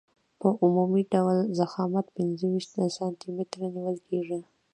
په عمومي ډول ضخامت پنځه ویشت سانتي متره نیول کیږي